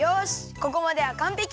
ここまではかんぺき！